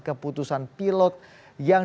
keputusan pilot yang